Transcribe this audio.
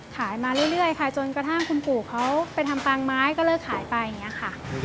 ขายมาเรื่อยค่ะจนกระทั่งคุณปู่เขาไปทำปางไม้ก็เลิกขายไปอย่างนี้ค่ะ